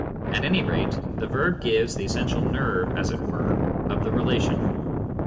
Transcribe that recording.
At any rate the verb gives the essential nerve, as it were, of the relation.